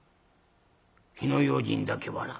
火の用心だけはな」。